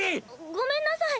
ごめんなさい